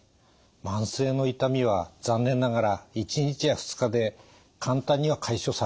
慢性の痛みは残念ながら１日や２日で簡単には解消されません。